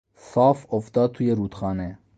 صاف افتاد توی رودخانه.